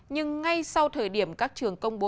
nhưng ngay sau thời điểm các trường công bố